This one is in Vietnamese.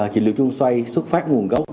trị liệu chuông xoay xuất phát nguồn gốc